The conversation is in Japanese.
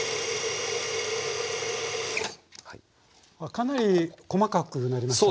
かなり細かくなりましたね。